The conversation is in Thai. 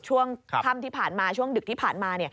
ช่วงค่ำที่ผ่านมาช่วงดึกที่ผ่านมา